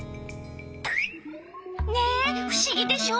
ねふしぎでしょ！